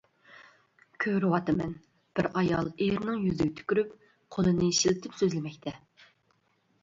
كۆرۈۋاتىمەن، بىر ئايال ئېرىنىڭ يۈزىگە تۈكۈرۈپ، قولىنى شىلتىپ سۆزلىمەكتە.